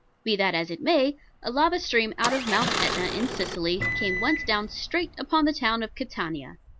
Be that as it may, a lava stream out of Mount Etna, in Sicily, came once down straight upon the town of Catania.